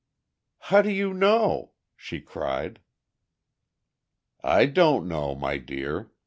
"How do you know?" she cried. "I don't know, my dear.